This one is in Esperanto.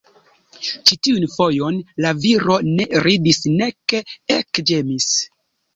Ĉi tiun fojon la viro ne ridis nek ekĝemis.